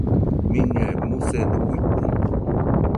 Miñɨe musedo guite